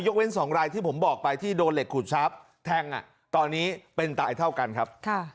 เว้น๒รายที่ผมบอกไปที่โดนเหล็กขูดทรัพย์แทงตอนนี้เป็นตายเท่ากันครับ